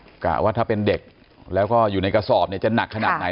กะว่าถ้าเป็นเด็กแล้วก็อยู่ในกระสอบเนี่ยจะหนักขนาดไหน